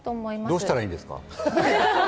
どうしたらいいんですか？